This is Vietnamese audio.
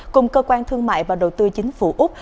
cùng cơ quan thương mại và đầu tư chính phủ úc